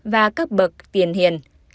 và các bậc tiền hiền